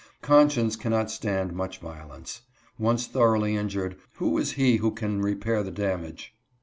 Conscience cannot stand much violence. Once thoroughly injured, who is he who can repair the damage